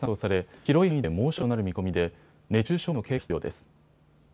広い範囲で猛暑日となる見込みで熱中症への警戒が必要です。